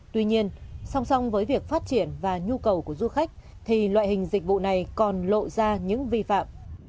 tuy nhiên song song với việc phát triển và nhu cầu của du khách thì loại hình dịch vụ này còn lộ ra những vi phạm